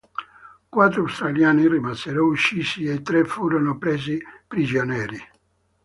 Quattro australiani rimasero uccisi e tre furono presi prigionieri.